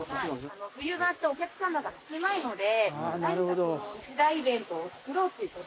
冬場ってお客さまが少ないので何か一大イベントを作ろうということで。